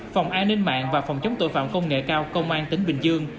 phòng an ninh mạng và phòng chống tội phạm công nghệ cao công an tỉnh bình dương